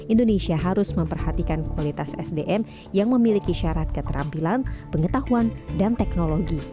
indonesia harus memperhatikan kualitas sdm yang memiliki syarat keterampilan pengetahuan dan teknologi